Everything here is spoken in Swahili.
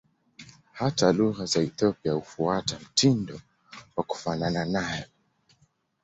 Hata lugha za Ethiopia hufuata mtindo wa kufanana nayo.